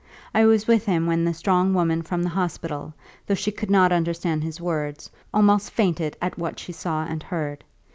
I was with him when the strong woman from the hospital, though she could not understand his words, almost fainted at what she saw and heard.